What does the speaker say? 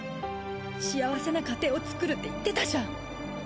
幸せな家庭をつくるって言ってたじゃん。